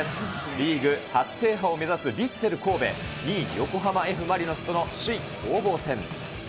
リーグ初制覇を目指すヴィッセル神戸、２位横浜Ｆ・マリノスとの首位攻防戦。